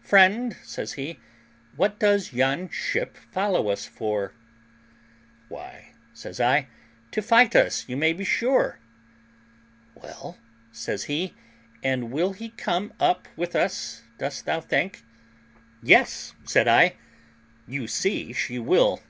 "Friend," says he, "what does yon ship follow us for?" "Why," says I, "to fight us, you may be sure." "Well," says he, "and will he come up with us, dost thou think?" "Yes," said I, "you see she will."